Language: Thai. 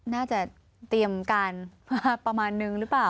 น่าจะเตรียมการมาประมาณนึงหรือเปล่า